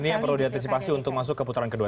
ini yang perlu diantisipasi untuk masuk ke putaran kedua